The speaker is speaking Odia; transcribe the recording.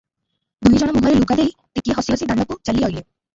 ଦୁଇ ଜଣ ମୁହଁରେ ଲୁଗା ଦେଇ ଟିକିଏ ହସି ହସି ଦାଣ୍ଡକୁ ଚାଲି ଅଇଲେ ।